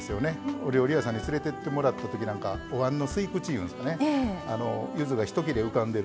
お料理屋さんに連れてってもらったときなんかおわんの吸い口いうんですかねゆずが一切れ浮かんでる